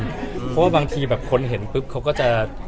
เพราะว่าบางทีแบบคนเห็นปุ๊บเขาก็จะ